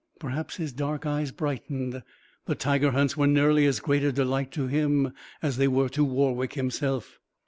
Perhaps his dark eyes brightened. The tiger hunts were nearly as great a delight to him as they were to Warwick himself.